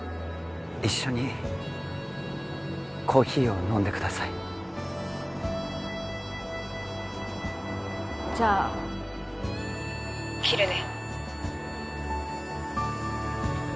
一緒にコーヒーを飲んでくださいじゃあ☎切るね